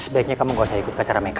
sebaiknya kamu gak usah ikut kacara mereka